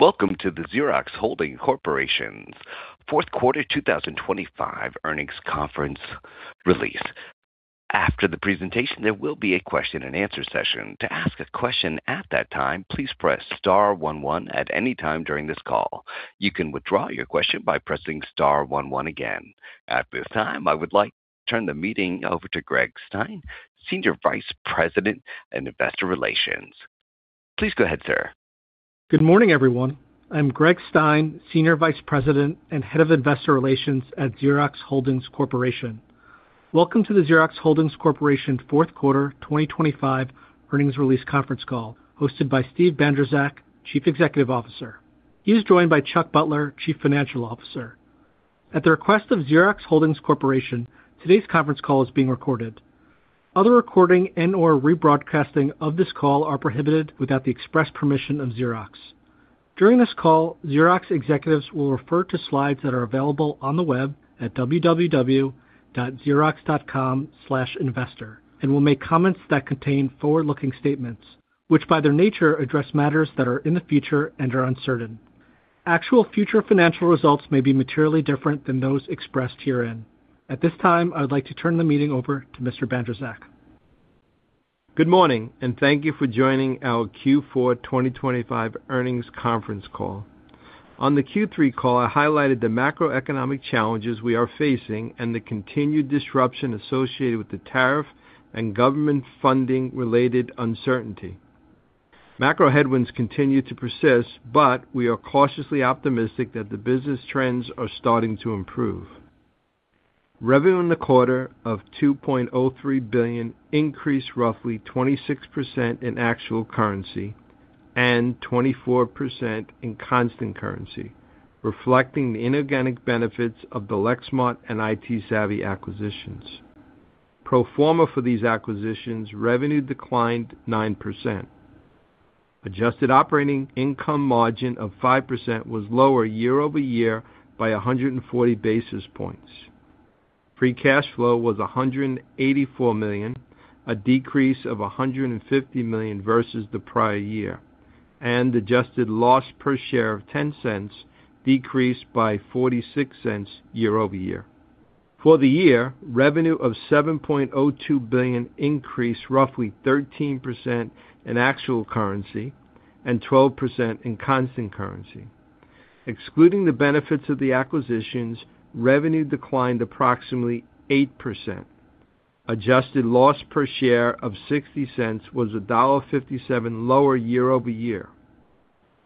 Welcome to the Xerox Holdings Corporation's fourth quarter 2025 earnings conference release. After the presentation, there will be a question-and-answer session. To ask a question at that time, please press star one one at any time during this call. You can withdraw your question by pressing star one one again. At this time, I would like to turn the meeting over to Greg Stein, Senior Vice President and Investor Relations. Please go ahead, sir. Good morning, everyone. I'm Greg Stein, Senior Vice President and Head of Investor Relations at Xerox Holdings Corporation. Welcome to the Xerox Holdings Corporation fourth quarter 2025 earnings release conference call hosted by Steve Bandrowczak, Chief Executive Officer. He is joined by Chuck Butler, Chief Financial Officer. At the request of Xerox Holdings Corporation, today's conference call is being recorded. All the recording and/or rebroadcasting of this call are prohibited without the express permission of Xerox. During this call, Xerox executives will refer to slides that are available on the web at www.xerox.com/investor and will make comments that contain forward-looking statements which, by their nature, address matters that are in the future and are uncertain. Actual future financial results may be materially different than those expressed herein. At this time, I would like to turn the meeting over to Mr. Bandrowczak. Good morning, and thank you for joining our Q4 2025 earnings conference call. On the Q3 call, I highlighted the macroeconomic challenges we are facing and the continued disruption associated with the tariff and government funding-related uncertainty. Macro headwinds continue to persist, but we are cautiously optimistic that the business trends are starting to improve. Revenue in the quarter of $2.03 billion increased roughly 26% in actual currency and 24% in constant currency, reflecting the inorganic benefits of the Lexmark and ITsavvy acquisitions. Pro forma for these acquisitions, revenue declined 9%. Adjusted operating income margin of 5% was lower year-over-year by 140 basis points. Free cash flow was $184 million, a decrease of $150 million versus the prior year, and adjusted loss per share of $0.10 decreased by $0.46 year-over-year. For the year, revenue of $7.02 billion increased roughly 13% in actual currency and 12% in constant currency. Excluding the benefits of the acquisitions, revenue declined approximately 8%. Adjusted loss per share of $0.60 was $1.57 lower year-over-year.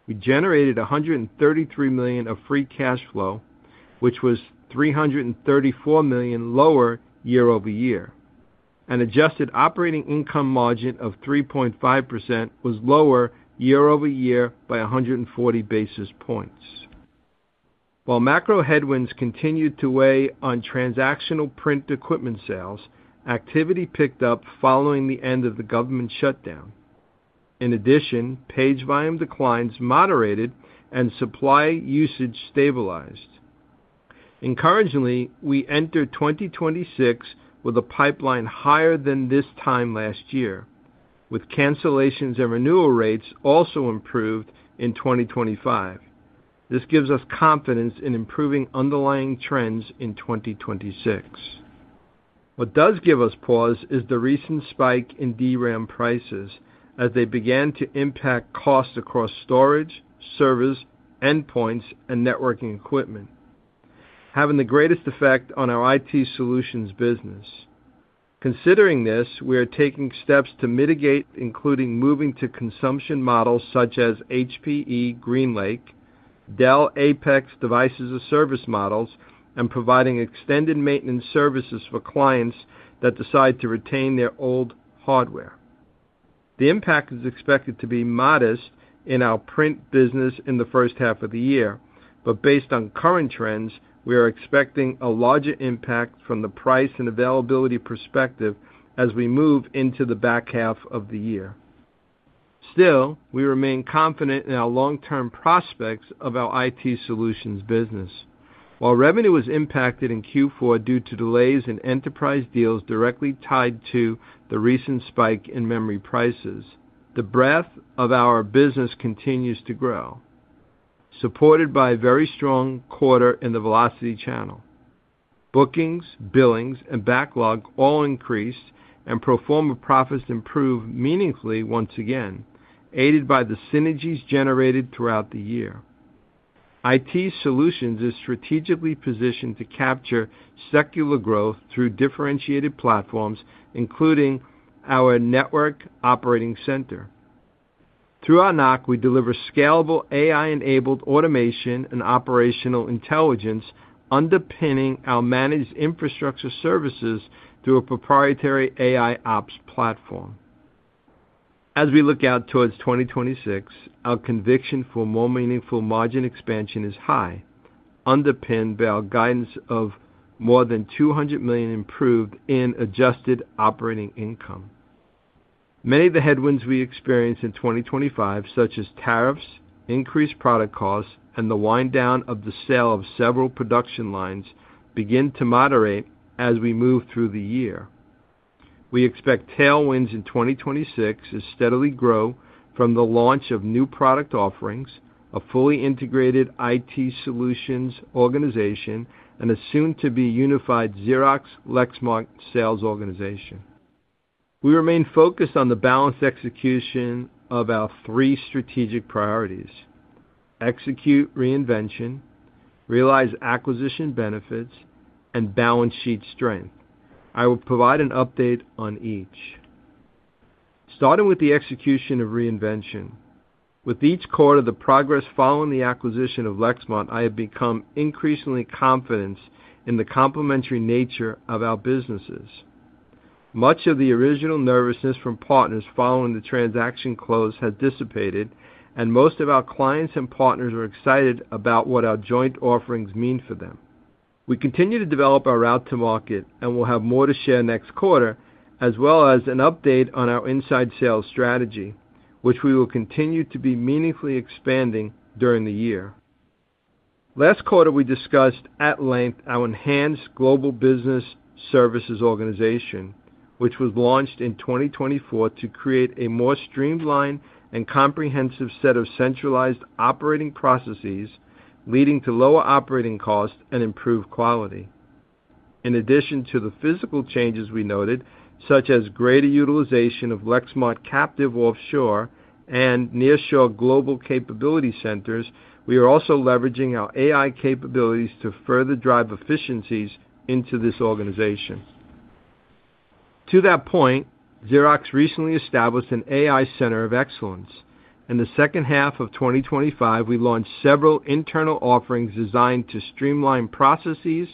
We generated $133 million of free cash flow, which was $334 million lower year-over-year. An adjusted operating income margin of 3.5% was lower year-over-year by 140 basis points. While macro headwinds continued to weigh on transactional print equipment sales, activity picked up following the end of the government shutdown. In addition, page volume declines moderated and supply usage stabilized. Encouragingly, we enter 2026 with a pipeline higher than this time last year, with cancellations and renewal rates also improved in 2025. This gives us confidence in improving underlying trends in 2026. What does give us pause is the recent spike in DRAM prices as they began to impact costs across storage, servers, endpoints, and networking equipment, having the greatest effect on our IT solutions business. Considering this, we are taking steps to mitigate, including moving to consumption models such as HPE GreenLake, Dell APEX Device-as-a-Service models, and providing extended maintenance services for clients that decide to retain their old hardware. The impact is expected to be modest in our print business in the first half of the year, but based on current trends, we are expecting a larger impact from the price and availability perspective as we move into the back half of the year. Still, we remain confident in our long-term prospects of our IT solutions business. While revenue was impacted in Q4 due to delays in enterprise deals directly tied to the recent spike in memory prices, the breadth of our business continues to grow, supported by a very strong quarter in the velocity channel. Bookings, billings, and backlog all increased, and pro forma profits improved meaningfully once again, aided by the synergies generated throughout the year. IT solutions are strategically positioned to capture secular growth through differentiated platforms, including our Network Operations Center. Through NOC, we deliver scalable AI-enabled automation and operational intelligence, underpinning our managed infrastructure services through a proprietary AIOps platform. As we look out towards 2026, our conviction for more meaningful margin expansion is high, underpinned by our guidance of more than $200 million improved in adjusted operating income. Many of the headwinds we experience in 2025, such as tariffs, increased product costs, and the wind down of the sale of several production lines, begin to moderate as we move through the year. We expect tailwinds in 2026 to steadily grow from the launch of new product offerings, a fully integrated IT solutions organization, and a soon-to-be unified Xerox Lexmark sales organization. We remain focused on the balanced execution of our three strategic priorities: execute reinvention, realize acquisition benefits, and balance sheet strength. I will provide an update on each. Starting with the execution of reinvention. With each quarter, the progress following the acquisition of Lexmark has become increasingly confident in the complementary nature of our businesses. Much of the original nervousness from partners following the transaction close has dissipated, and most of our clients and partners are excited about what our joint offerings mean for them. We continue to develop our route to market and will have more to share next quarter, as well as an update on our inside sales strategy, which we will continue to be meaningfully expanding during the year. Last quarter, we discussed at length our enhanced global business services organization, which was launched in 2024 to create a more streamlined and comprehensive set of centralized operating processes, leading to lower operating costs and improved quality. In addition to the physical changes we noted, such as greater utilization of Lexmark captive offshore and nearshore global capability centers, we are also leveraging our AI capabilities to further drive efficiencies into this organization. To that point, Xerox recently established an AI center of excellence. In the second half of 2025, we launched several internal offerings designed to streamline processes,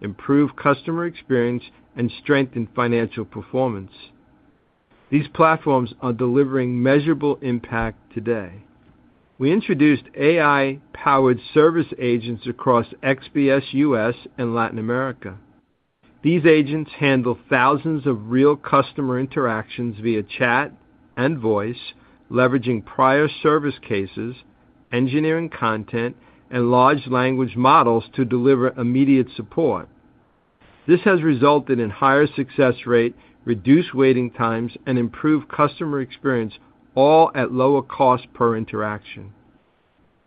improve customer experience, and strengthen financial performance. These platforms are delivering measurable impact today. We introduced AI-powered service agents across XBS U.S. and Latin America. These agents handle thousands of real customer interactions via chat and voice, leveraging prior service cases, engineering content, and large language models to deliver immediate support. This has resulted in higher success rates, reduced waiting times, and improved customer experience, all at lower cost per interaction.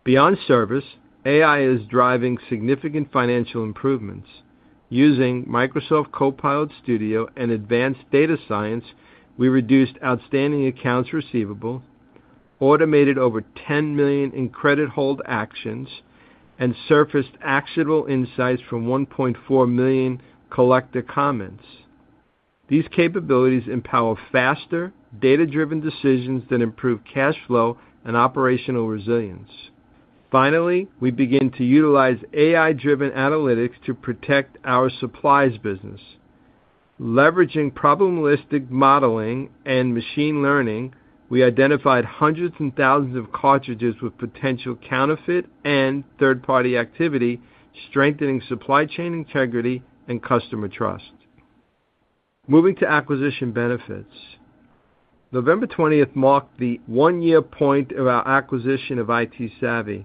Beyond service, AI is driving significant financial improvements. Using Microsoft Copilot Studio and advanced data science, we reduced outstanding accounts receivable, automated over $10 million in credit hold actions, and surfaced actionable insights from 1.4 million collected comments. These capabilities empower faster, data-driven decisions that improve cash flow and operational resilience. Finally, we begin to utilize AI-driven analytics to protect our supplies business. Leveraging probabilistic modeling and machine learning, we identified hundreds of thousands of cartridges with potential counterfeit and third-party activity, strengthening supply chain integrity and customer trust. Moving to acquisition benefits. November 20th marked the one-year point of our acquisition of ITsavvy,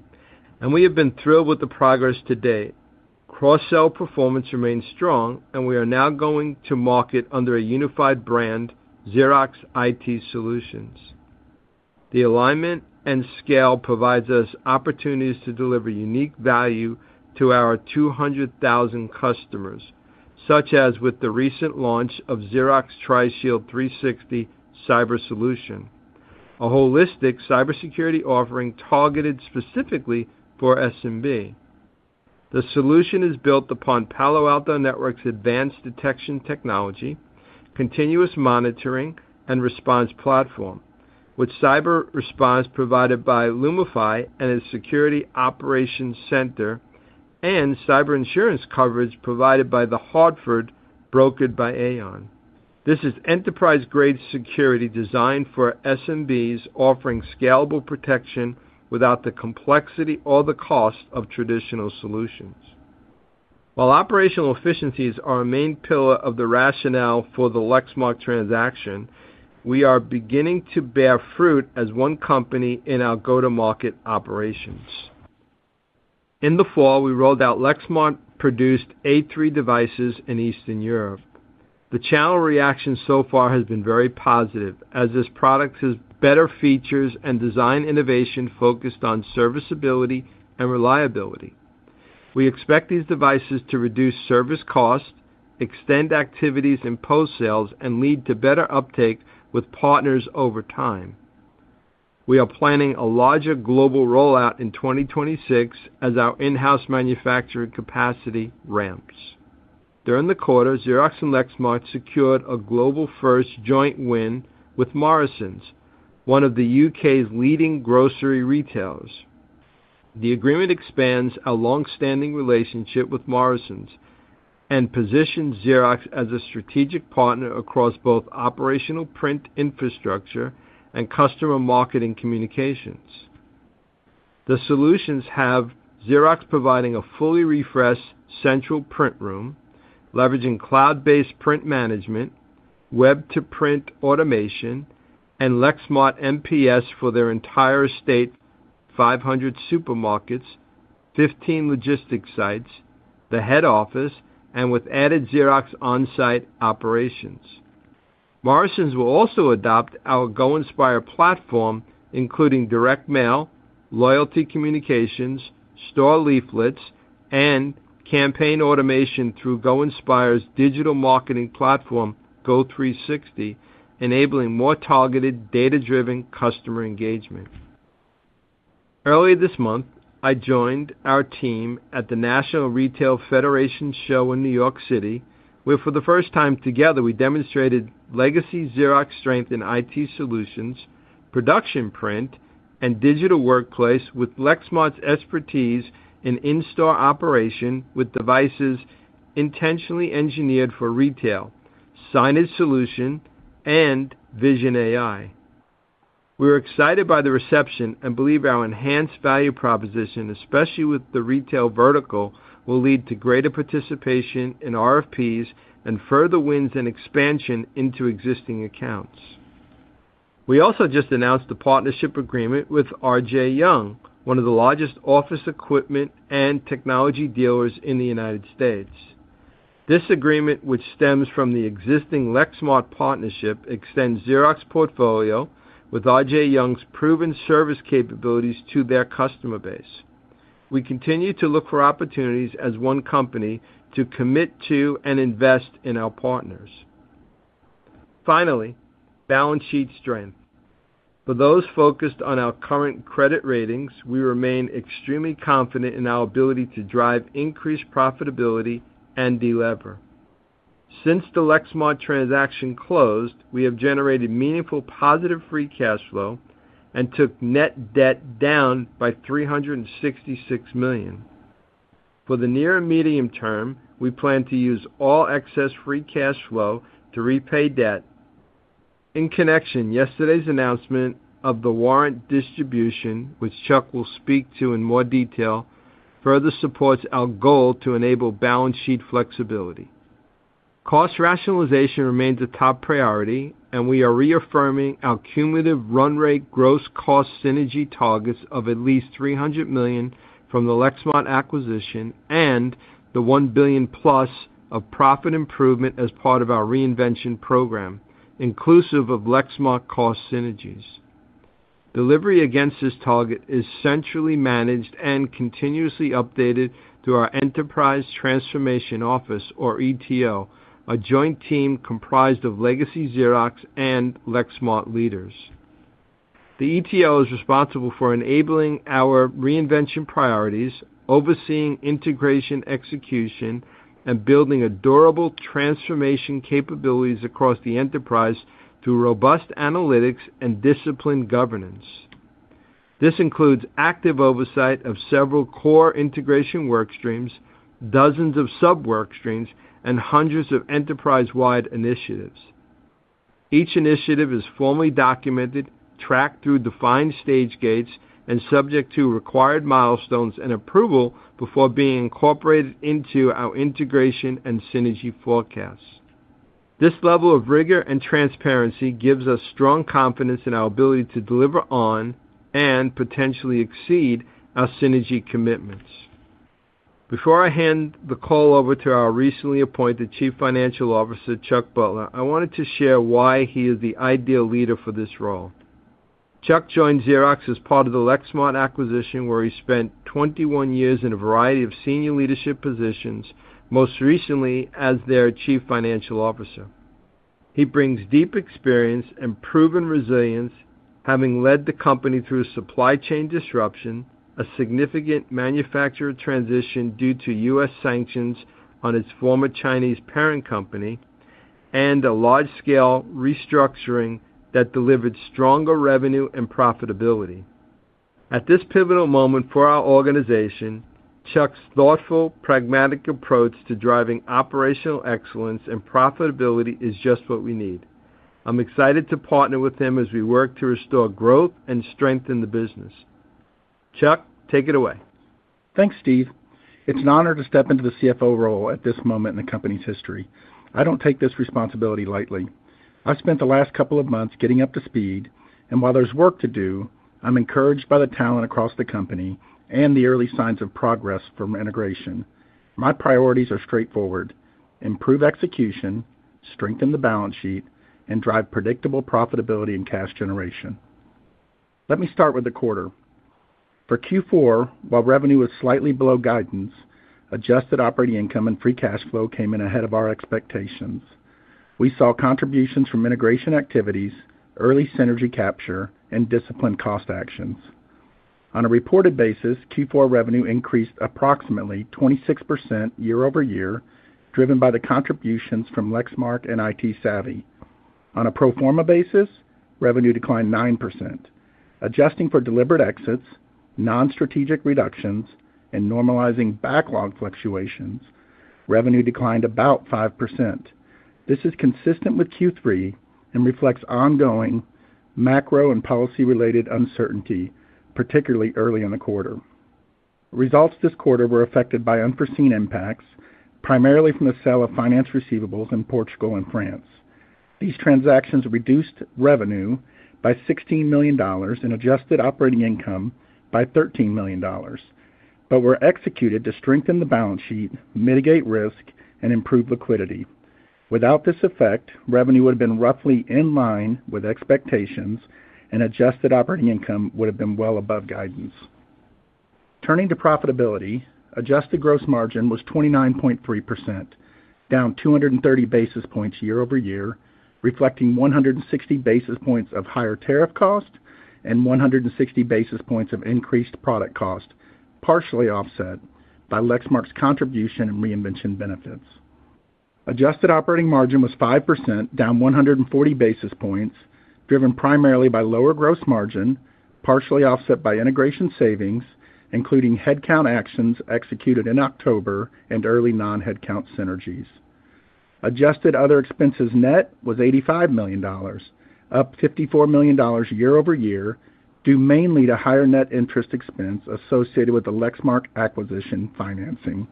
and we have been thrilled with the progress to date. Cross-sell performance remains strong, and we are now going to market under a unified brand, Xerox IT Solutions. The alignment and scale provide us opportunities to deliver unique value to our 200,000 customers, such as with the recent launch of Xerox TriShield 360 Cyber Solution, a holistic cybersecurity offering targeted specifically for SMB. The solution is built upon Palo Alto Networks' advanced detection technology, continuous monitoring, and response platform, with cyber response provided by Lumifi and its security operations center, and cyber insurance coverage provided by the hardware brokered by Aon. This is enterprise-grade security designed for SMBs, offering scalable protection without the complexity or the cost of traditional solutions. While operational efficiencies are a main pillar of the rationale for the Lexmark transaction, we are beginning to bear fruit as one company in our go-to-market operations. In the fall, we rolled out Lexmark-produced A3 devices in Eastern Europe. The channel reaction so far has been very positive, as this product has better features and design innovation focused on serviceability and reliability. We expect these devices to reduce service costs, extend activities in post-sales, and lead to better uptake with partners over time. We are planning a larger global rollout in 2026 as our in-house manufacturing capacity ramps. During the quarter, Xerox and Lexmark secured a global-first joint win with Morrisons, one of the U.K.'s leading grocery retailers. The agreement expands our long-standing relationship with Morrisons and positions Xerox as a strategic partner across both operational print infrastructure and customer marketing communications. The solutions have Xerox providing a fully refreshed central print room, leveraging cloud-based print management, web-to-print automation, and Lexmark MPS for their entire state's 500 supermarkets, 15 logistics sites, the head office, and with added Xerox on-site operations. Morrisons will also adopt our Go Inspire platform, including direct mail, loyalty communications, store leaflets, and campaign automation through Go Inspire's digital marketing platform, Go360, enabling more targeted, data-driven customer engagement. Earlier this month, I joined our team at the National Retail Federation show in New York City, where for the first time together, we demonstrated legacy Xerox strength in IT solutions, production print, and digital workplace with Lexmark's expertise in in-store operation with devices intentionally engineered for retail, signage solution, and Vision AI. We are excited by the reception and believe our enhanced value proposition, especially with the retail vertical, will lead to greater participation in RFPs and further wins and expansion into existing accounts. We also just announced a partnership agreement with RJ Young, one of the largest office equipment and technology dealers in the United States. This agreement, which stems from the existing Lexmark partnership, extends Xerox's portfolio with RJ Young's proven service capabilities to their customer base. We continue to look for opportunities as one company to commit to and invest in our partners. Finally, balance sheet strength. For those focused on our current credit ratings, we remain extremely confident in our ability to drive increased profitability and deliver. Since the Lexmark transaction closed, we have generated meaningful positive free cash flow and took net debt down by $366 million. For the near and medium term, we plan to use all excess free cash flow to repay debt. In connection, yesterday's announcement of the warrant distribution, which Chuck will speak to in more detail, further supports our goal to enable balance sheet flexibility. Cost rationalization remains a top priority, and we are reaffirming our cumulative run rate gross cost synergy targets of at least $300 million from the Lexmark acquisition and the $1 billion+ of profit improvement as part of our reinvention program, inclusive of Lexmark cost synergies. Delivery against this target is centrally managed and continuously updated through our enterprise transformation office, or ETO, a joint team comprised of legacy Xerox and Lexmark leaders. The ETO is responsible for enabling our reinvention priorities, overseeing integration execution, and building durable transformation capabilities across the enterprise through robust analytics and disciplined governance. This includes active oversight of several core integration workstreams, dozens of sub-workstreams, and hundreds of enterprise-wide initiatives. Each initiative is formally documented, tracked through defined stage gates, and subject to required milestones and approval before being incorporated into our integration and synergy forecasts. This level of rigor and transparency gives us strong confidence in our ability to deliver on and potentially exceed our synergy commitments. Before I hand the call over to our recently appointed Chief Financial Officer, Chuck Butler, I wanted to share why he is the ideal leader for this role. Chuck joined Xerox as part of the Lexmark acquisition, where he spent 21 years in a variety of senior leadership positions, most recently as their Chief Financial Officer. He brings deep experience and proven resilience, having led the company through a supply chain disruption, a significant manufacturer transition due to U.S. sanctions on its former Chinese parent company, and a large-scale restructuring that delivered stronger revenue and profitability. At this pivotal moment for our organization, Chuck's thoughtful, pragmatic approach to driving operational excellence and profitability is just what we need. I'm excited to partner with him as we work to restore growth and strengthen the business. Chuck, take it away. Thanks, Steve. It's an honor to step into the CFO role at this moment in the company's history. I don't take this responsibility lightly. I've spent the last couple of months getting up to speed, and while there's work to do, I'm encouraged by the talent across the company and the early signs of progress from integration. My priorities are straightforward: improve execution, strengthen the balance sheet, and drive predictable profitability and cash generation. Let me start with the quarter. For Q4, while revenue was slightly below guidance, adjusted operating income and free cash flow came in ahead of our expectations. We saw contributions from integration activities, early synergy capture, and disciplined cost actions. On a reported basis, Q4 revenue increased approximately 26% year-over-year, driven by the contributions from Lexmark and ITsavvy. On a pro forma basis, revenue declined 9%. Adjusting for deliberate exits, non-strategic reductions, and normalizing backlog fluctuations, revenue declined about 5%. This is consistent with Q3 and reflects ongoing macro and policy-related uncertainty, particularly early in the quarter. Results this quarter were affected by unforeseen impacts, primarily from the sale of finance receivables in Portugal and France. These transactions reduced revenue by $16 million and adjusted operating income by $13 million, but were executed to strengthen the balance sheet, mitigate risk, and improve liquidity. Without this effect, revenue would have been roughly in line with expectations, and adjusted operating income would have been well above guidance. Turning to profitability, adjusted gross margin was 29.3%, down 230 basis points year-over-year, reflecting 160 basis points of higher tariff cost and 160 basis points of increased product cost, partially offset by Lexmark's contribution and reinvention benefits. Adjusted operating margin was 5%, down 140 basis points, driven primarily by lower gross margin, partially offset by integration savings, including headcount actions executed in October and early non-headcount synergies. Adjusted other expenses net was $85 million, up $54 million year-over-year, due mainly to higher net interest expense associated with the Lexmark acquisition financing.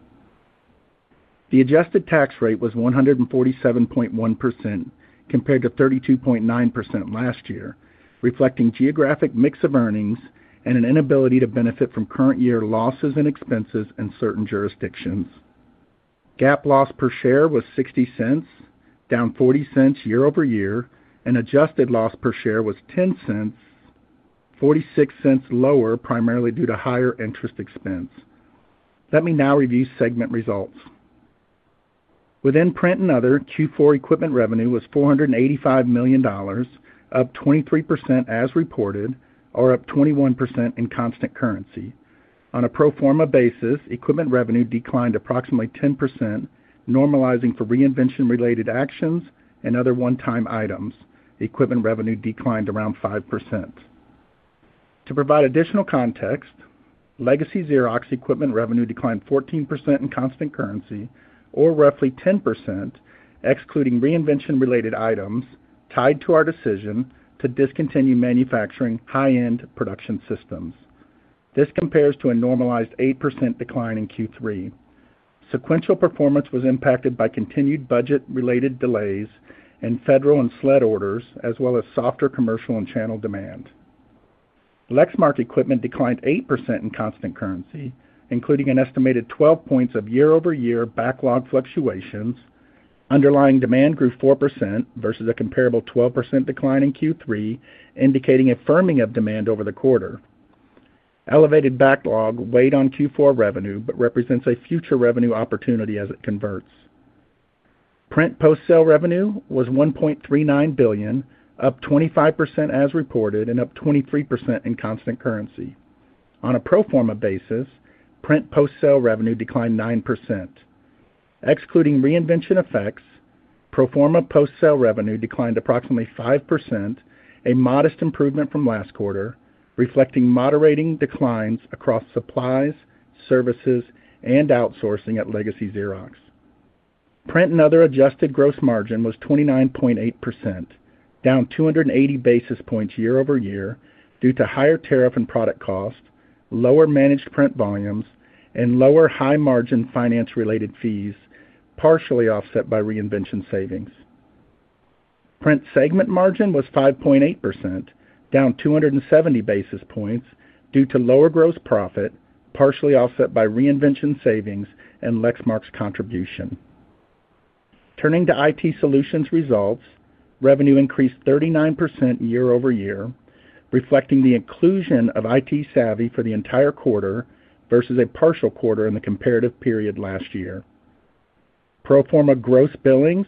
The adjusted tax rate was 147.1% compared to 32.9% last year, reflecting geographic mix of earnings and an inability to benefit from current year losses and expenses in certain jurisdictions. GAAP loss per share was $0.60, down $0.40 year-over-year, and adjusted loss per share was $0.10, $0.46 lower, primarily due to higher interest expense. Let me now review segment results. Within print and other, Q4 equipment revenue was $485 million, up 23% as reported, or up 21% in constant currency. On a pro forma basis, equipment revenue declined approximately 10%, normalizing for reinvention-related actions and other one-time items. Equipment revenue declined around 5%. To provide additional context, legacy Xerox equipment revenue declined 14% in constant currency, or roughly 10%, excluding reinvention-related items tied to our decision to discontinue manufacturing high-end production systems. This compares to a normalized 8% decline in Q3. Sequential performance was impacted by continued budget-related delays and Federal and SLED orders, as well as softer commercial and channel demand. Lexmark equipment declined 8% in constant currency, including an estimated 12 points of year-over-year backlog fluctuations. Underlying demand grew 4% versus a comparable 12% decline in Q3, indicating a firming of demand over the quarter. Elevated backlog weighed on Q4 revenue but represents a future revenue opportunity as it converts. Print post-sale revenue was $1.39 billion, up 25% as reported, and up 23% in constant currency. On a pro forma basis, print post-sale revenue declined 9%. Excluding reinvention effects, pro forma post-sale revenue declined approximately 5%, a modest improvement from last quarter, reflecting moderating declines across supplies, services, and outsourcing at legacy Xerox. Print and other adjusted gross margin was 29.8%, down 280 basis points year-over-year due to higher tariff and product cost, lower managed print volumes, and lower high-margin finance-related fees, partially offset by reinvention savings. Print segment margin was 5.8%, down 270 basis points due to lower gross profit, partially offset by reinvention savings and Lexmark's contribution. Turning to IT solutions results, revenue increased 39% year-over-year, reflecting the inclusion of ITsavvy for the entire quarter versus a partial quarter in the comparative period last year. Pro forma gross billings,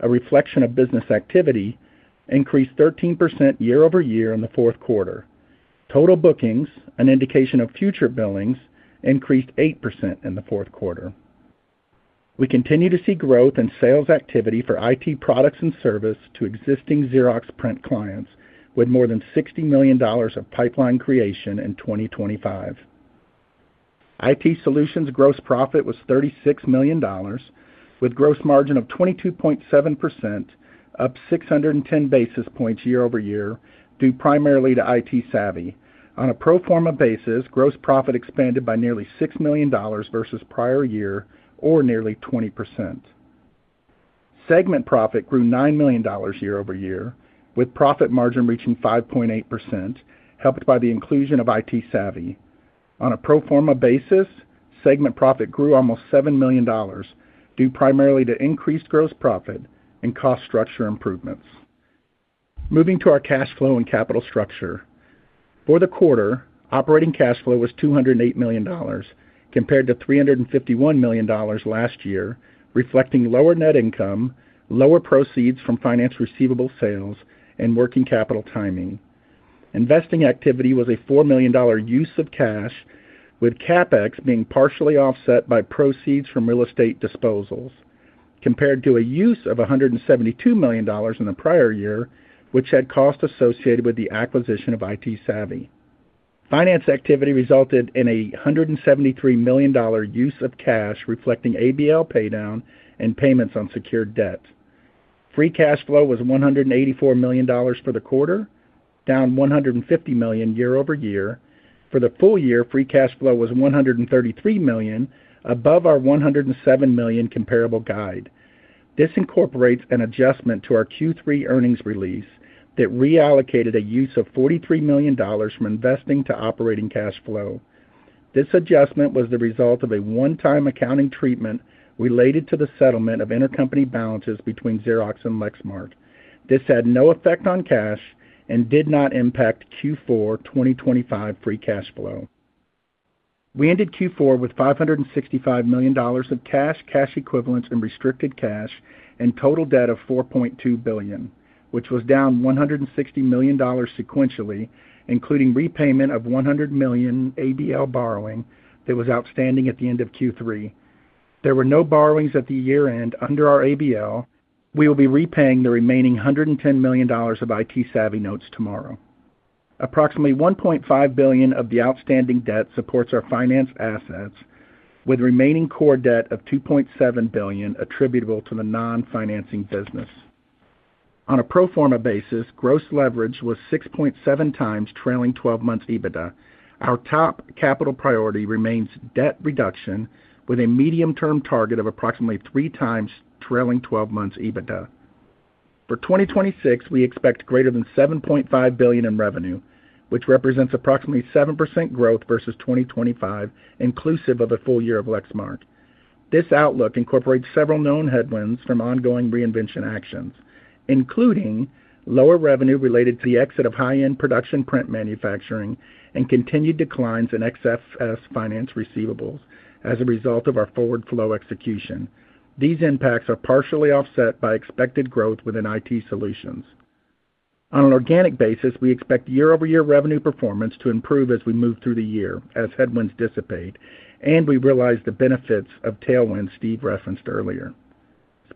a reflection of business activity, increased 13% year-over-year in the fourth quarter. Total bookings, an indication of future billings, increased 8% in the fourth quarter. We continue to see growth in sales activity for IT products and service to existing Xerox print clients, with more than $60 million of pipeline creation in 2025. IT Solutions gross profit was $36 million, with gross margin of 22.7%, up 610 basis points year-over-year, due primarily to ITsavvy. On a pro forma basis, gross profit expanded by nearly $6 million versus prior year, or nearly 20%. Segment profit grew $9 million year-over-year, with profit margin reaching 5.8%, helped by the inclusion of ITsavvy. On a pro forma basis, segment profit grew almost $7 million, due primarily to increased gross profit and cost structure improvements. Moving to our cash flow and capital structure. For the quarter, operating cash flow was $208 million, compared to $351 million last year, reflecting lower net income, lower proceeds from finance receivable sales, and working capital timing. Investing activity was a $4 million use of cash, with CapEx being partially offset by proceeds from real estate disposals, compared to a use of $172 million in the prior year, which had costs associated with the acquisition of ITsavvy. Finance activity resulted in a $173 million use of cash, reflecting ABL paydown and payments on secured debt. Free cash flow was $184 million for the quarter, down $150 million year-over-year. For the full year, free cash flow was $133 million, above our $107 million comparable guide. This incorporates an adjustment to our Q3 earnings release that reallocated a use of $43 million from investing to operating cash flow. This adjustment was the result of a one-time accounting treatment related to the settlement of intercompany balances between Xerox and Lexmark. This had no effect on cash and did not impact Q4 2025 free cash flow. We ended Q4 with $565 million of cash, cash equivalents, and restricted cash, and total debt of $4.2 billion, which was down $160 million sequentially, including repayment of $100 million ABL borrowing that was outstanding at the end of Q3. There were no borrowings at the year-end under our ABL. We will be repaying the remaining $110 million of ITsavvy notes tomorrow. Approximately $1.5 billion of the outstanding debt supports our finance assets, with remaining core debt of $2.7 billion attributable to the non-financing business. On a pro forma basis, gross leverage was 6.7x trailing 12 months EBITDA. Our top capital priority remains debt reduction, with a medium-term target of approximately 3x trailing 12 months EBITDA. For 2026, we expect greater than $7.5 billion in revenue, which represents approximately 7% growth versus 2025, inclusive of a full year of Lexmark. This outlook incorporates several known headwinds from ongoing reinvention actions, including lower revenue related to the exit of high-end production print manufacturing and continued declines in XFS finance receivables as a result of our forward flow execution. These impacts are partially offset by expected growth within IT solutions. On an organic basis, we expect year-over-year revenue performance to improve as we move through the year as headwinds dissipate, and we realize the benefits of tailwinds Steve referenced earlier.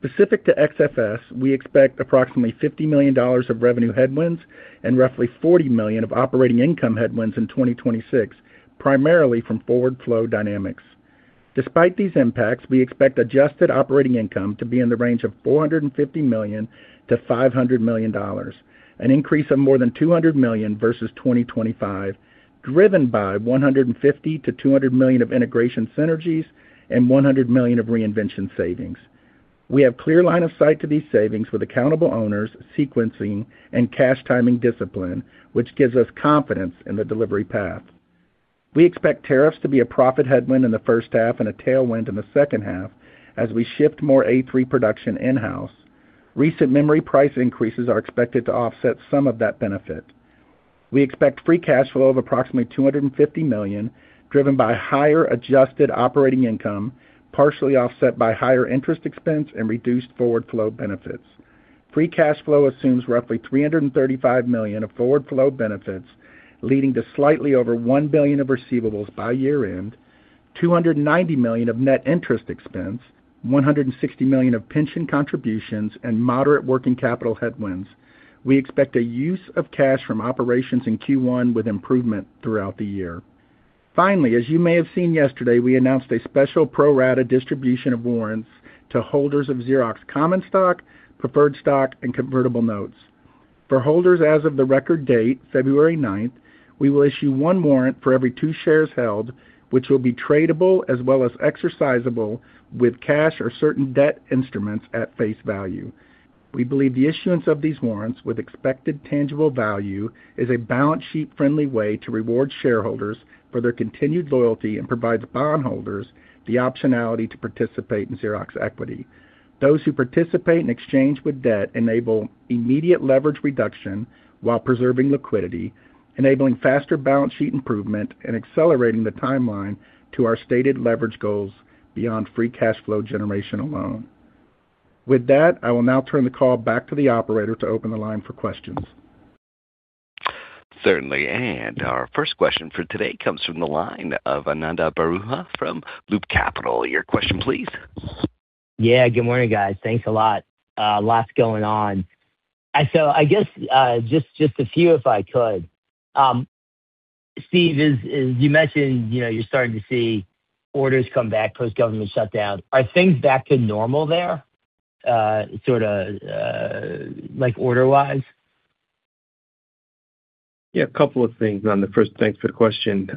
Specific to XFS, we expect approximately $50 million of revenue headwinds and roughly $40 million of operating income headwinds in 2026, primarily from forward flow dynamics. Despite these impacts, we expect adjusted operating income to be in the range of $450 million-$500 million, an increase of more than $200 million versus 2025, driven by $150 million-$200 million of integration synergies and $100 million of reinvention savings. We have clear line of sight to these savings with accountable owners, sequencing, and cash timing discipline, which gives us confidence in the delivery path. We expect tariffs to be a profit headwind in the first half and a tailwind in the second half as we shift more A3 production in-house. Recent memory price increases are expected to offset some of that benefit. We expect free cash flow of approximately $250 million, driven by higher adjusted operating income, partially offset by higher interest expense and reduced forward flow benefits. Free cash flow assumes roughly $335 million of forward flow benefits, leading to slightly over $1 billion of receivables by year-end, $290 million of net interest expense, $160 million of pension contributions, and moderate working capital headwinds. We expect a use of cash from operations in Q1 with improvement throughout the year. Finally, as you may have seen yesterday, we announced a special pro rata distribution of warrants to holders of Xerox common stock, preferred stock, and convertible notes. For holders as of the record date, February 9th, we will issue one warrant for every two shares held, which will be tradable as well as exercisable with cash or certain debt instruments at face value. We believe the issuance of these warrants with expected tangible value is a balance sheet-friendly way to reward shareholders for their continued loyalty and provides bondholders the optionality to participate in Xerox equity. Those who participate in exchange with debt enable immediate leverage reduction while preserving liquidity, enabling faster balance sheet improvement and accelerating the timeline to our stated leverage goals beyond free cash flow generation alone. With that, I will now turn the call back to the operator to open the line for questions. Certainly. And our first question for today comes from the line of Ananda Baruah from Loop Capital. Your question, please. Yeah. Good morning, guys. Thanks a lot. Lots going on. So I guess just a few, if I could. Steve, as you mentioned, you're starting to see orders come back post-government shutdown. Are things back to normal there, sort of order-wise? Yeah. A couple of things on the first. Thanks for the question.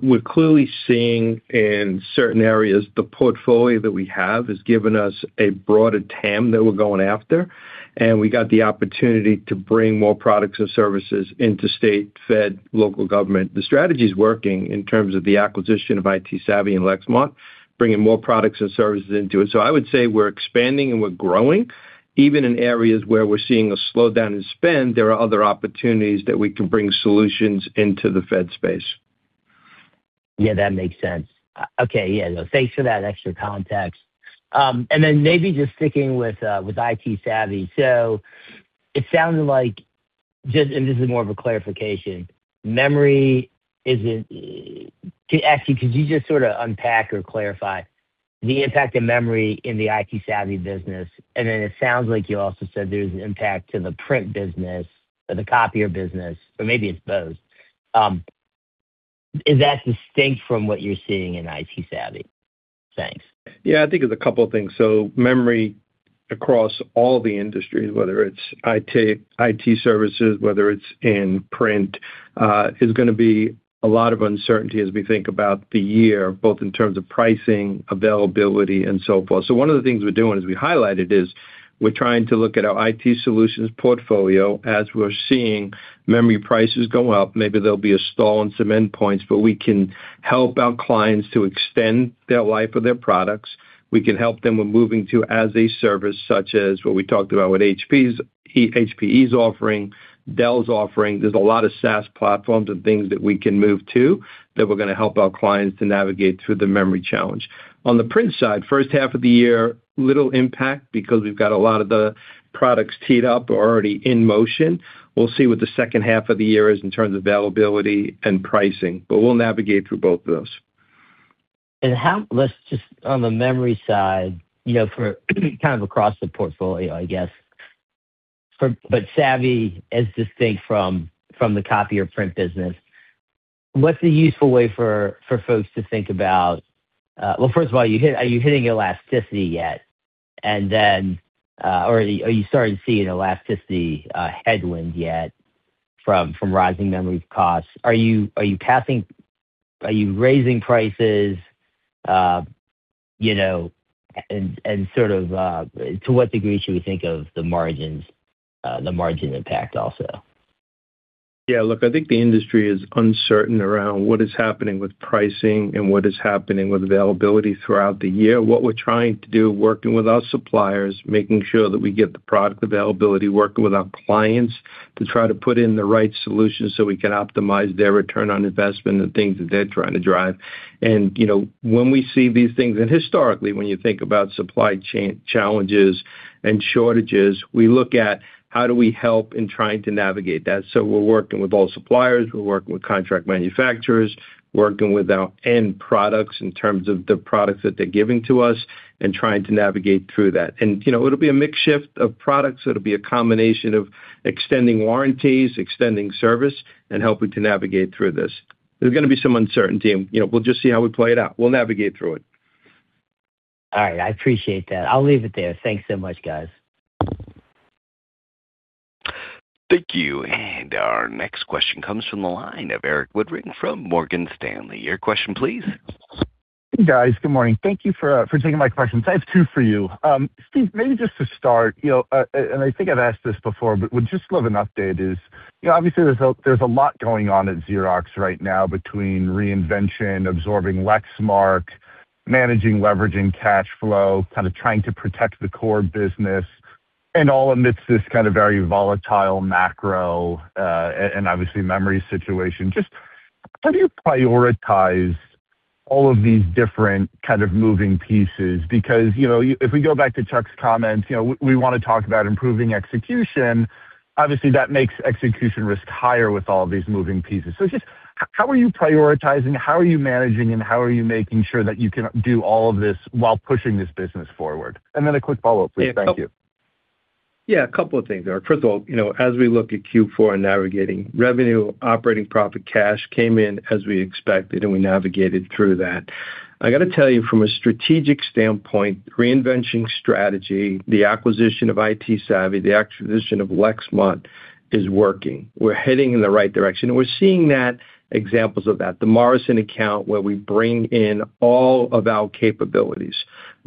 We're clearly seeing in certain areas the portfolio that we have has given us a broader TAM that we're going after, and we got the opportunity to bring more products and services into state, Fed, local government. The strategy is working in terms of the acquisition of ITsavvy and Lexmark, bringing more products and services into it. So I would say we're expanding and we're growing. Even in areas where we're seeing a slowdown in spend, there are other opportunities that we can bring solutions into the Fed space. Yeah, that makes sense. Okay. Yeah. Thanks for that extra context. And then maybe just sticking with ITsavvy. So it sounded like, and this is more of a clarification, memory isn't actually, could you just sort of unpack or clarify the impact of memory in the ITsavvy business? And then it sounds like you also said there's an impact to the print business, the copier business, or maybe it's both. Is that distinct from what you're seeing in ITsavvy? Thanks. Yeah. I think it's a couple of things. So memory across all the industries, whether it's IT services, whether it's in print, is going to be a lot of uncertainty as we think about the year, both in terms of pricing, availability, and so forth. So one of the things we're doing, as we highlighted, is we're trying to look at our IT solutions portfolio as we're seeing memory prices go up. Maybe there'll be a stall in some endpoints, but we can help our clients to extend their life of their products. We can help them with moving to as-a-service, such as what we talked about with HPE's offering, Dell's offering. There's a lot of SaaS platforms and things that we can move to that we're going to help our clients to navigate through the memory challenge. On the print side, first half of the year, little impact because we've got a lot of the products teed up or already in motion. We'll see what the second half of the year is in terms of availability and pricing, but we'll navigate through both of those. And let's just, on the memory side, kind of across the portfolio, I guess, but Savvy is distinct from the copier print business. What's a useful way for folks to think about? Well, first of all, are you hitting elasticity yet? And then are you starting to see an elasticity headwind yet from rising memory costs? Are you raising prices? And sort of to what degree should we think of the margin impact also? Yeah. Look, I think the industry is uncertain around what is happening with pricing and what is happening with availability throughout the year. What we're trying to do, working with our suppliers, making sure that we get the product availability, working with our clients to try to put in the right solutions so we can optimize their return on investment and things that they're trying to drive. And when we see these things, and historically, when you think about supply chain challenges and shortages, we look at how do we help in trying to navigate that. So we're working with all suppliers. We're working with contract manufacturers, working with our end products in terms of the products that they're giving to us and trying to navigate through that. And it'll be a mixed shift of products. It'll be a combination of extending warranties, extending service, and helping to navigate through this. There's going to be some uncertainty. We'll just see how we play it out. We'll navigate through it. All right. I appreciate that. I'll leave it there. Thanks so much, guys. Thank you. Our next question comes from the line of Eric Woodring from Morgan Stanley. Your question, please. Hey, guys. Good morning. Thank you for taking my questions. I have two for you. Steve, maybe just to start, and I think I've asked this before, but would just love an update is, obviously, there's a lot going on at Xerox right now between reinvention, absorbing Lexmark, managing, leveraging cash flow, kind of trying to protect the core business, and all amidst this kind of very volatile macro and obviously memory situation. Just how do you prioritize all of these different kind of moving pieces? Because if we go back to Chuck's comments, we want to talk about improving execution. Obviously, that makes execution risk higher with all of these moving pieces. So just how are you prioritizing? How are you managing? And how are you making sure that you can do all of this while pushing this business forward? And then a quick follow-up, please. Thank you. Yeah. A couple of things. First of all, as we look at Q4 and navigating revenue, operating profit, cash came in as we expected, and we navigated through that. I got to tell you, from a strategic standpoint, reinvention strategy, the acquisition of ITsavvy, the acquisition of Lexmark is working. We're heading in the right direction. And we're seeing examples of that. The Morrisons account where we bring in all of our capabilities: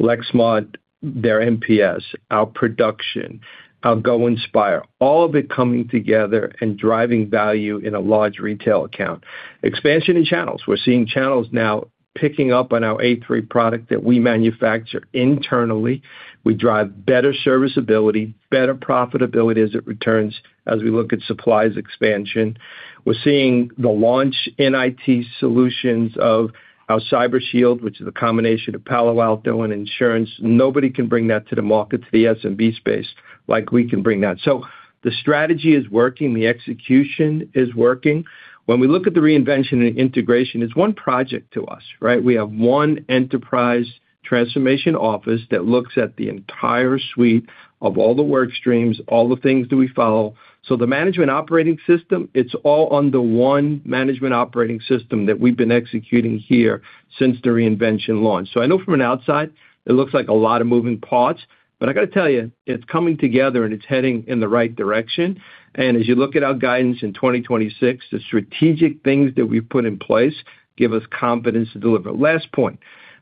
Lexmark, their MPS, our production, our Go Inspire, all of it coming together and driving value in a large retail account. Expansion in channels. We're seeing channels now picking up on our A3 product that we manufacture internally. We drive better serviceability, better profitability as it returns as we look at supplies expansion. We're seeing the launch in IT solutions of our TriShield, which is a combination of Palo Alto and insurance. Nobody can bring that to the market, to the SMB space, like we can bring that. So the strategy is working. The execution is working. When we look at the reinvention and integration, it's one project to us, right? We have one enterprise transformation office that looks at the entire suite of all the work streams, all the things that we follow. So the management operating system, it's all under one management operating system that we've been executing here since the reinvention launch. So I know from the outside, it looks like a lot of moving parts, but I got to tell you, it's coming together and it's heading in the right direction. As you look at our guidance in 2026, the strategic things that we've put in place give us confidence to deliver. Last point.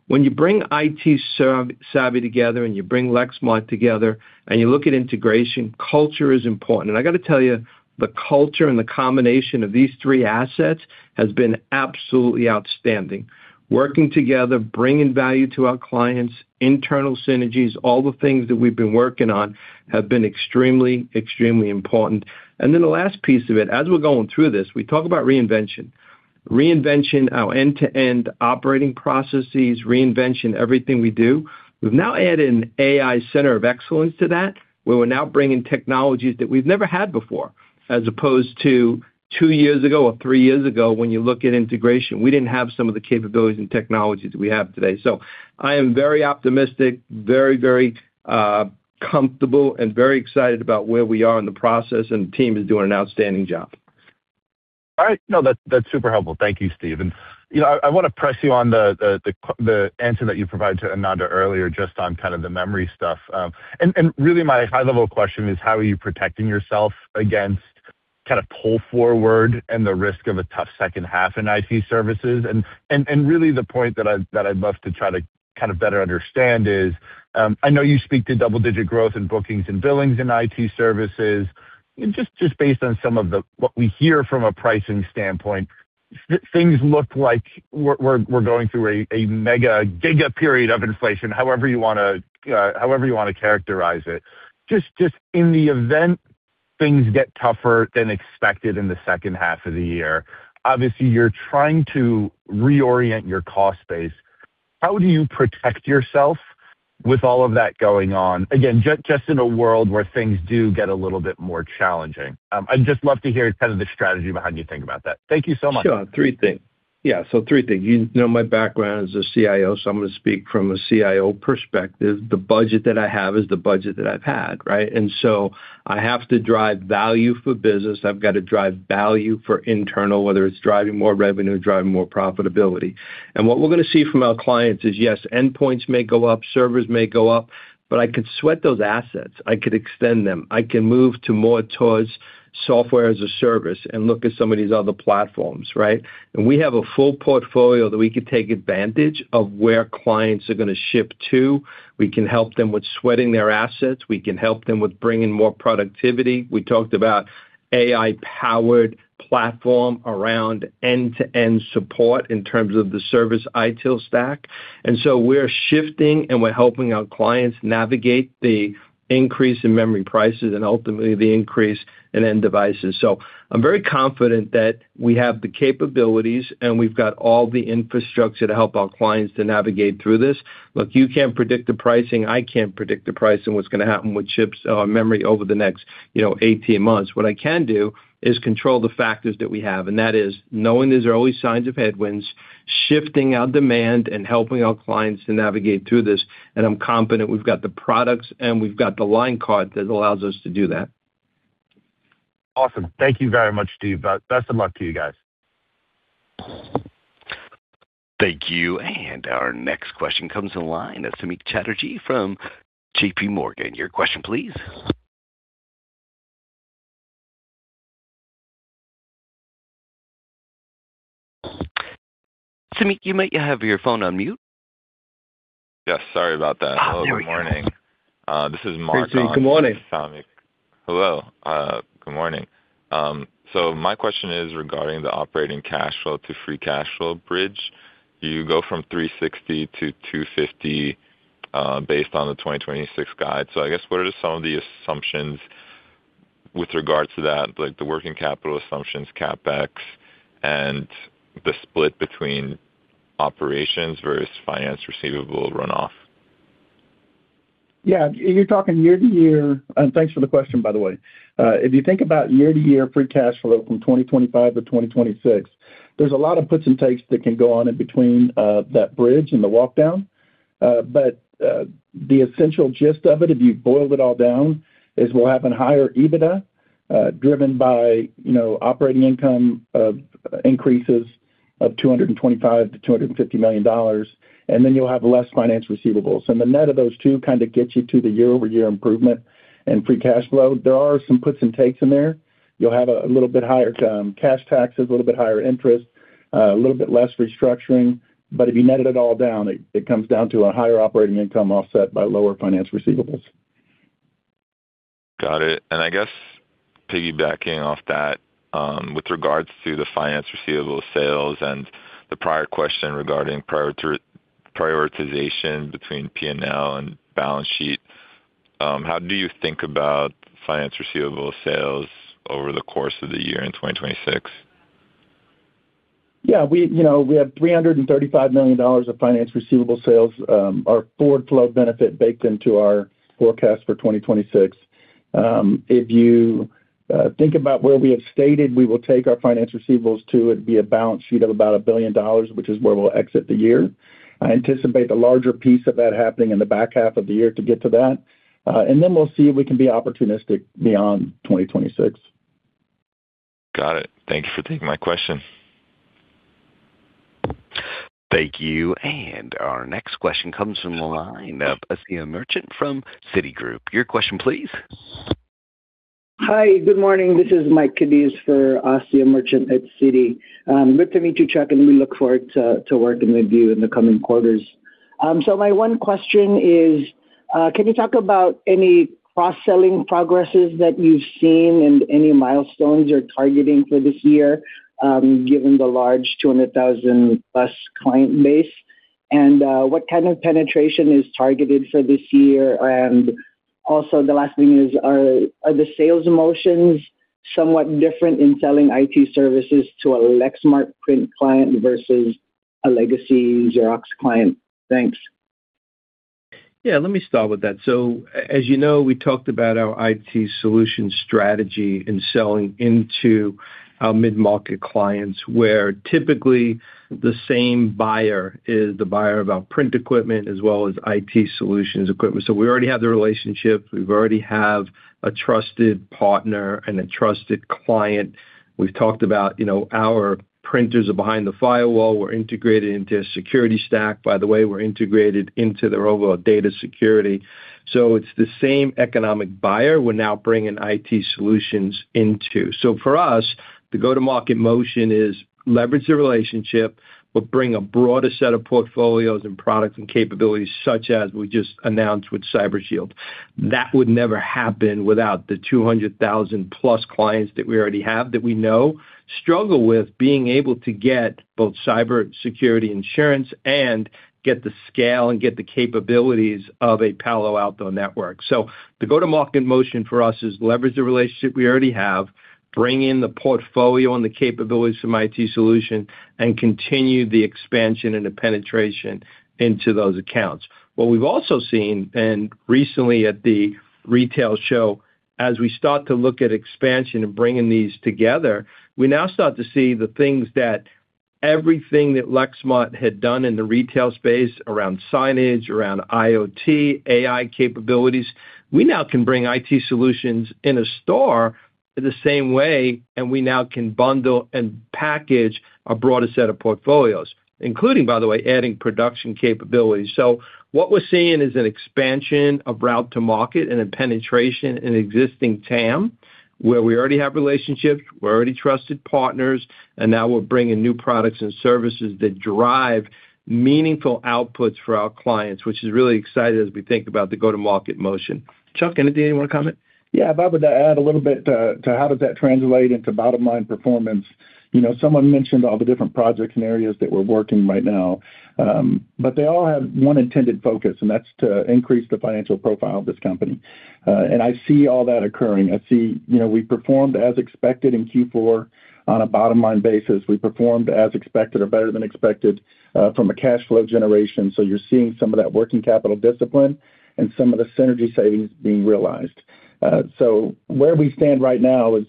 When you bring ITsavvy together and you bring Lexmark together and you look at integration, culture is important. And I got to tell you, the culture and the combination of these three assets has been absolutely outstanding. Working together, bringing value to our clients, internal synergies, all the things that we've been working on have been extremely, extremely important. And then the last piece of it, as we're going through this, we talk about reinvention. Reinvention, our end-to-end operating processes, reinvention, everything we do. We've now added an AI center of excellence to that, where we're now bringing technologies that we've never had before, as opposed to two years ago or three years ago when you look at integration. We didn't have some of the capabilities and technologies that we have today. So I am very optimistic, very, very comfortable, and very excited about where we are in the process, and the team is doing an outstanding job. All right. No, that's super helpful. Thank you, Steve. And I want to press you on the answer that you provided to Ananda earlier just on kind of the memory stuff. And really, my high-level question is, how are you protecting yourself against kind of pull forward and the risk of a tough second half in IT services? And really, the point that I'd love to try to kind of better understand is, I know you speak to double-digit growth in bookings and billings in IT services. Just based on some of what we hear from a pricing standpoint, things look like we're going through a mega giga period of inflation, however you want to characterize it. Just in the event things get tougher than expected in the second half of the year, obviously, you're trying to reorient your cost base. How do you protect yourself with all of that going on, again, just in a world where things do get a little bit more challenging? I'd just love to hear kind of the strategy behind your thinking about that. Thank you so much. Sure. Three things. Yeah. So three things. My background is a CIO, so I'm going to speak from a CIO perspective. The budget that I have is the budget that I've had, right? And so I have to drive value for business. I've got to drive value for internal, whether it's driving more revenue, driving more profitability. What we're going to see from our clients is, yes, endpoints may go up, servers may go up, but I can sweat those assets. I could extend them. I can move to more toward software as a service and look at some of these other platforms, right? We have a full portfolio that we could take advantage of where clients are going to shift to. We can help them with sweating their assets. We can help them with bringing more productivity. We talked about AI-powered platform around end-to-end support in terms of the service ITIL stack. So we're shifting and we're helping our clients navigate the increase in memory prices and ultimately the increase in end devices. So I'm very confident that we have the capabilities and we've got all the infrastructure to help our clients to navigate through this. Look, you can't predict the pricing. I can't predict the pricing of what's going to happen with chips or memory over the next 18 months. What I can do is control the factors that we have, and that is knowing there's always signs of headwinds, shifting our demand, and helping our clients to navigate through this. And I'm confident we've got the products and we've got the line card that allows us to do that. Awesome. Thank you very much, Steve. Best of luck to you guys. Thank you. And our next question comes in line of Samik Chatterjee from JPMorgan. Your question, please. Samik, you might have your phone on mute. Yes. Sorry about that. Oh, good morning. This is Mark on Samik. Hello. Good morning. So my question is regarding the operating cash flow to free cash flow bridge. You go from $360 million to $250 million based on the 2026 guide. So I guess what are some of the assumptions with regards to that, like the working capital assumptions, CapEx, and the split between operations versus finance receivable runoff? Yeah. You're talking year-to-year. Thanks for the question, by the way. If you think about year-to-year free cash flow from 2025 to 2026, there's a lot of puts and takes that can go on in between that bridge and the walkdown. But the essential gist of it, if you boil it all down, is we'll have a higher EBITDA driven by operating income increases of $225 million-$250 million, and then you'll have less finance receivables. And the net of those two kind of gets you to the year-over-year improvement and free cash flow. There are some puts and takes in there. You'll have a little bit higher cash taxes, a little bit higher interest, a little bit less restructuring. But if you net it all down, it comes down to a higher operating income offset by lower finance receivables. Got it. And I guess piggybacking off that with regards to the finance receivable sales and the prior question regarding prioritization between P&L and balance sheet, how do you think about finance receivable sales over the course of the year in 2026? Yeah. We have $335 million of finance receivable sales, our forward flow benefit baked into our forecast for 2026. If you think about where we have stated we will take our finance receivables to, it'd be a balance sheet of about $1 billion, which is where we'll exit the year. I anticipate a larger piece of that happening in the back half of the year to get to that. And then we'll see if we can be opportunistic beyond 2026. Got it. Thank you for taking my question. Thank you. And our next question comes from the line of Asiya Merchant from Citigroup. Your question, please. Hi. Good morning. This is Mike Cadiz for Asiya Merchant at Citi. Good to meet you, Chuck, and we look forward to working with you in the coming quarters. So my one question is, can you talk about any cross-selling progresses that you've seen and any milestones you're targeting for this year given the large 200,000+ client base? And what kind of penetration is targeted for this year? And also, the last thing is, are the sales motions somewhat different in selling IT services to a Lexmark print client versus a legacy Xerox client? Thanks. Yeah. Let me start with that. So as you know, we talked about our IT solution strategy and selling into our mid-market clients where typically the same buyer is the buyer of our print equipment as well as IT solutions equipment. So we already have the relationship. We already have a trusted partner and a trusted client. We've talked about our printers are behind the firewall. We're integrated into a security stack. By the way, we're integrated into their overall data security. So it's the same economic buyer we're now bringing IT solutions into. So for us, the go-to-market motion is leverage the relationship, but bring a broader set of portfolios and products and capabilities such as we just announced with Cyber Shield. That would never happen without the 200,000+ clients that we already have that we know struggle with being able to get both cyber security insurance and get the scale and get the capabilities of a Palo Alto Networks. So the go-to-market motion for us is leverage the relationship we already have, bring in the portfolio and the capabilities from IT solution, and continue the expansion and the penetration into those accounts. What we've also seen recently at the retail show, as we start to look at expansion and bringing these together, we now start to see the things that everything that Lexmark had done in the retail space around signage, around IoT, AI capabilities; we now can bring IT solutions in a store the same way, and we now can bundle and package a broader set of portfolios, including, by the way, adding production capabilities. So what we're seeing is an expansion of route to market and a penetration in existing TAM where we already have relationships. We're already trusted partners, and now we're bringing new products and services that drive meaningful outputs for our clients, which is really exciting as we think about the go-to-market motion. Chuck, anything you want to comment? Yeah. If I would add a little bit to how does that translate into bottom-line performance. Someone mentioned all the different projects and areas that we're working right now, but they all have one intended focus, and that's to increase the financial profile of this company. And I see all that occurring. I see we performed as expected in Q4 on a bottom-line basis. We performed as expected or better than expected from a cash flow generation. So you're seeing some of that working capital discipline and some of the synergy savings being realized. So where we stand right now is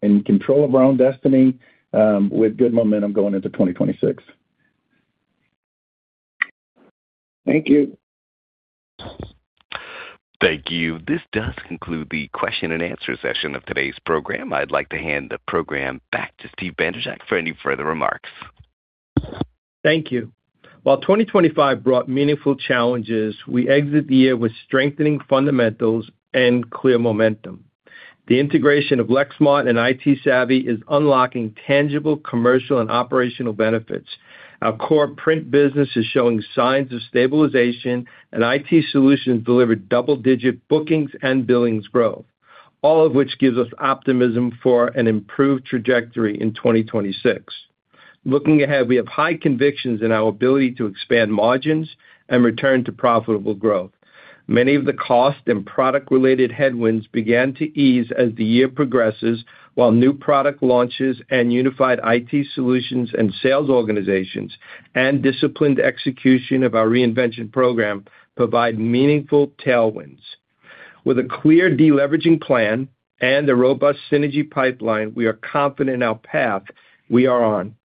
in control of our own destiny with good momentum going into 2026. Thank you. Thank you. This does conclude the question and answer session of today's program. I'd like to hand the program back to Steve Bandrowczak for any further remarks. Thank you. While 2025 brought meaningful challenges, we exit the year with strengthening fundamentals and clear momentum. The integration of Lexmark and ITsavvy is unlocking tangible commercial and operational benefits. Our core print business is showing signs of stabilization, and IT solutions deliver double-digit bookings and billings growth, all of which gives us optimism for an improved trajectory in 2026. Looking ahead, we have high convictions in our ability to expand margins and return to profitable growth. Many of the cost and product-related headwinds began to ease as the year progresses while new product launches and unified IT solutions and sales organizations and disciplined execution of our reinvention program provide meaningful tailwinds. With a clear deleveraging plan and a robust synergy pipeline, we are confident in our path we are on.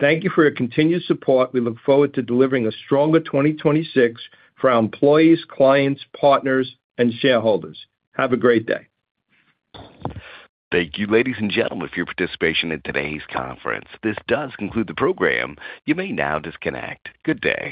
Thank you for your continued support. We look forward to delivering a stronger 2026 for our employees, clients, partners, and shareholders. Have a great day. Thank you, ladies and gentlemen, for your participation in today's conference. This does conclude the program. You may now disconnect. Good day.